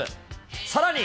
さらに。